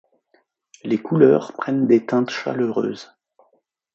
Les couleurs prennent des teintes chaleureuses.